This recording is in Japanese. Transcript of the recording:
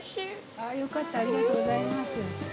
ああよかった、ありがとうございます。